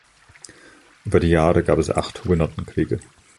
Über die Jahre gab es acht Hugenottenkriege.